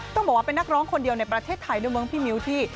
ต้องบอกว่าเป็นนักร้องคนเดียวในประเทศไทยด้วยเมืองพี่มิ้วที่